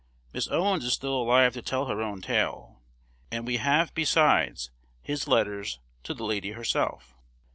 Miss Owens is still alive to tell her own tale, and we have besides his letters to the lady herself.